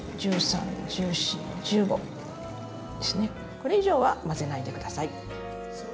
これ以上は混ぜないで下さい。